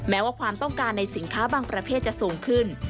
แม้ว่าความต้องการในสินค้าบางประเภทจะสูงขึ้น